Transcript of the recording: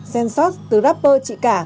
zen sots từ rapper chị cả